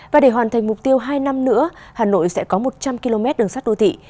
và để hoàn thành mục tiêu hai năm nữa hà nội sẽ có một trăm linh km đường sắt đô thị